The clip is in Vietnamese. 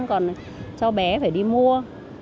còn cho bé phải đi mua